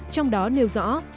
trong đó nêu rõ